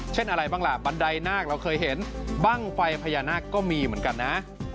อะไรบ้างล่ะบันไดนาคเราเคยเห็นบ้างไฟพญานาคก็มีเหมือนกันนะ